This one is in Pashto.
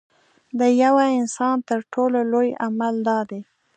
د یوه انسان تر ټولو لوی عمل دا دی.